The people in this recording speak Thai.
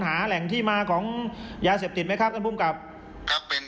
หาแหล่งที่มาของยาเสพติดไหมครับท่านภูมิกับครับเป็น